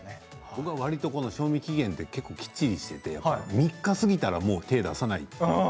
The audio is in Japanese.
僕はわりと賞味期限ってしっかりしていて３日過ぎたら手を出さない。